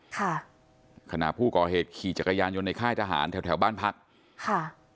ค่ะขณะผู้ก่อเหตุขี่จักรยานยนต์ในค่ายทหารแถวแถวบ้านพักค่ะ